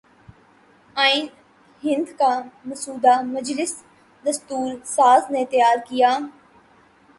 آئین ہند کا مسودہ مجلس دستور ساز نے تیار کیا